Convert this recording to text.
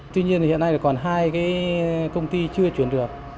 tuy nhiên thì hiện nay là còn hai cái công ty chưa chuyển được